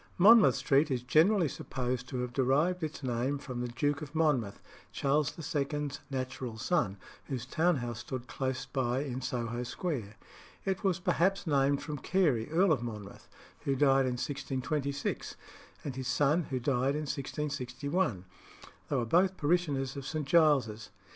Monmouth Street is generally supposed to have derived its name from the Duke of Monmouth, Charles II.'s natural son, whose town house stood close by in Soho Square. It was perhaps named from Carey, Earl of Monmouth, who died in 1626, and his son, who died in 1661: they were both parishioners of St. Giles's.